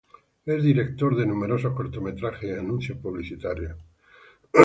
Es director de numerosos cortometrajes y anuncios publicitarios.